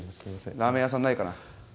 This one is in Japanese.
ラーメン屋さんないかな。